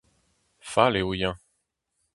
Fall eo-eñ.